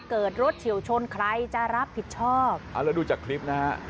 เกิดรถเฉียวชนใครจะรับผิดชอบอ่าแล้วดูจากคลิปนะฮะ